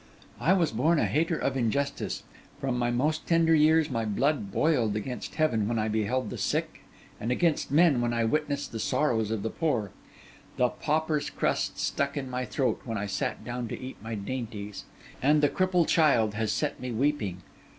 I was born a hater of injustice; from my most tender years my blood boiled against heaven when I beheld the sick, and against men when I witnessed the sorrows of the poor; the pauper's crust stuck in my throat when I sat down to eat my dainties, and the cripple child has set me weeping.